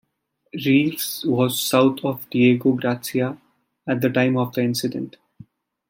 "Reeves" was south of Diego Garcia at the time of the incident.